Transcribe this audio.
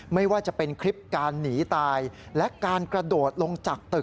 ไม่ว่าจะเป็นคลิปการหนีตายและการกระโดดลงจากตึก